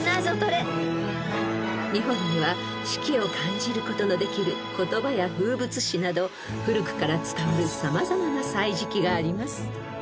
［日本には四季を感じることのできる言葉や風物詩など古くから伝わる様々な『歳時記』があります］